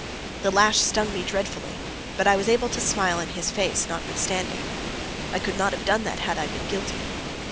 The lash stung me dreadfully, but I was able to smile in his face notwithstanding. I could not have done that had I been guilty.